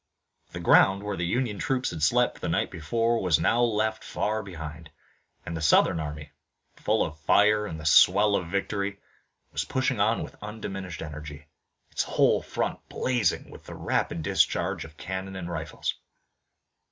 The ground where the Union troops had slept the night before was now left far behind, and the Southern army, full of fire and the swell of victory, was pushing on with undiminished energy, its whole front blazing with the rapid discharge of cannon and rifles.